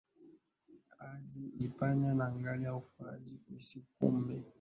hadi Hispania na Gallia Ufaransa ya Kusini Kumbe